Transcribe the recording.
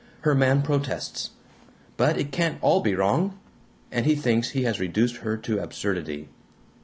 Her man protests, 'But it can't all be wrong!' and he thinks he has reduced her to absurdity.